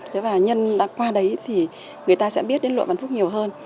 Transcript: thế và nhân qua đấy thì người ta sẽ biết đến lụa vạn phúc nhiều hơn